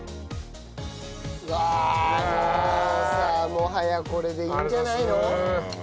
もはやこれでいいんじゃないの？